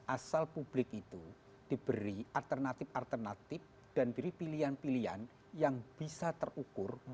asal publik itu diberi alternatif alternatif dan diberi pilihan pilihan yang bisa terukur